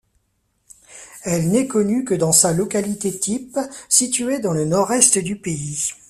Elle n'est connue que dans sa localité type située dans le nord-est du pays.